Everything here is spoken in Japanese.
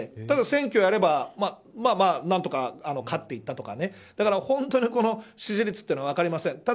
ただ選挙やれば何とか勝っていたとかだから本当に支持率というのは分かりません。